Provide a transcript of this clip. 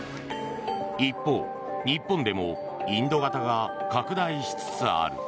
一方、日本でもインド型が拡大しつつある。